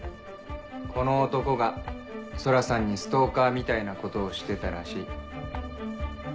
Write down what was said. この男が空さんにストーカーみたいなことをしてたらしい。